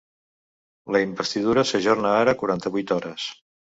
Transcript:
La investidura s’ajorna ara quaranta-vuit hores.